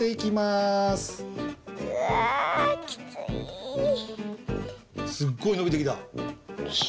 すっごいのびてきた。